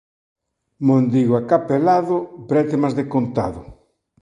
Mondigo acapelado, brétemas de contado.